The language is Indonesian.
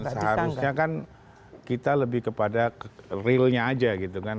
seharusnya kan kita lebih kepada realnya aja gitu kan